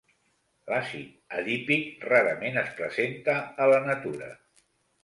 L'àcid adípic rarament es presenta a la natura.